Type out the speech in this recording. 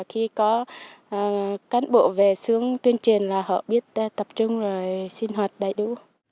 khi có cán bộ về xuống tuyên truyền là họ biết tập trung rồi sinh hoạt đầy đủ